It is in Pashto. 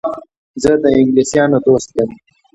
زه د انګلیسیانو دوست یم.